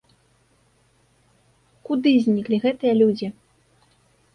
Куды зніклі гэтыя людзі?